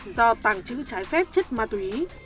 do tàng trữ trái phép chất ma túy